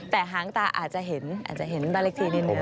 แต่หางตาอาจจะเห็นอาจจะเห็นบ้านเล็กทีนิดนึง